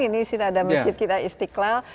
ini sudah ada masjid kita istiqlal